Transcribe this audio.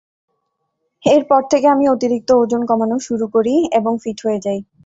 এরপর থেকে আমি অতিরিক্ত ওজন কমানো শুরু করি এবং ফিট হয়ে যাই।